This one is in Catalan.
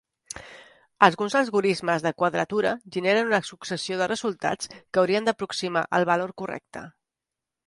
Alguns algorismes de quadratura generen una successió de resultats que haurien d'aproximar el valor correcte.